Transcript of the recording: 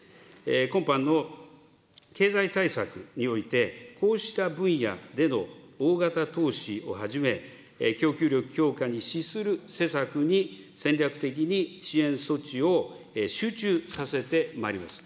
今般の経済対策において、こうした分野での大型投資をはじめ、供給力強化に資する施策に戦略的に支援措置を集中させてまいります。